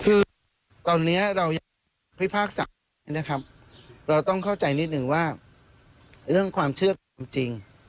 คือตอนนี้เรายังพิพากษานะครับเราต้องเข้าใจนิดนึงว่าเรื่องความเชื่อความจริง